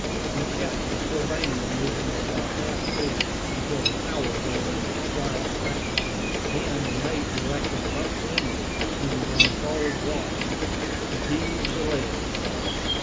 We kept the Sylvania moving at about half speed until the tower bore in the required direction; then the mate directed Buck Lingley, who was on watch forward, to heave the lead.